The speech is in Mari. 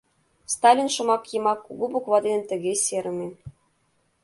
«Сталин» шомак йымак кугу буква дене тыге серыме: